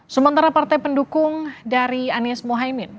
sementara partai pendukung dari anies mohaimin